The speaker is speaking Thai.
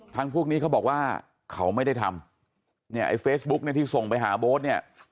ทั้งพวกนี้เขาบอกว่าเขาไม่ได้ทำไอ้เฟซบุ๊คที่ส่งไปหาโบ๊ทเนี่ย